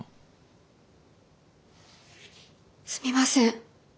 すみません。